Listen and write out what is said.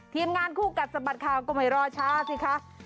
ทีมงานคู่กัดสะบัดข่าวก็ไม่รอช้าสิคะ